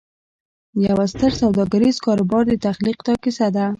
د یوه ستر سوداګریز کاروبار د تخلیق دا کیسه ده